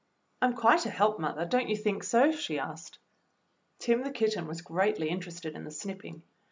"I'm quite a help, mother, don't you think so.^" she asked. Tim, the kitten, was greatly interested in the snipping.